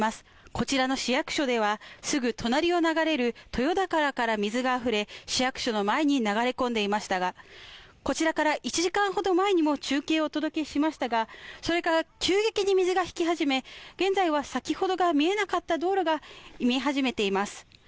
こちらの市役所では、すぐ隣を流れる豊田川から水があふれ、市役所の前に流れ込んでいましたが、こちらから１時間ほど前にも中継をお届けしましたが、それから急激に水が引き始め、現在は先ほどは見えなかった道路が見え始めています。